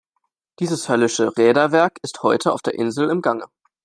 Dieses höllische Räderwerk ist heute auf der Insel im Gange.